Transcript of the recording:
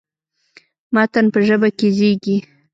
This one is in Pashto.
متن په ژبه کې زېږي.